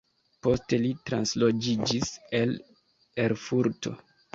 Poste li transloĝiĝis al Erfurto.